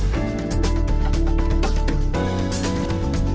kalau sudah keluar satu